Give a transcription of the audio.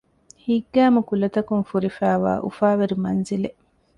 ހިތްގައިމު ކުލަތަކުން ފުރިފައިވާ އުފާވެރި މަންޒިލެއް